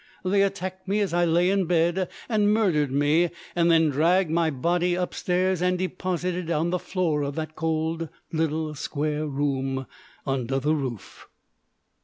They attacked me as I lay in bed, and murdered me, and then dragged my body upstairs and deposited it on the floor of that cold little square room under the roof.